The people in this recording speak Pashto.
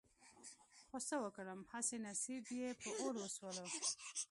خو څه وکړم هسې نصيب يې په اور وسوله.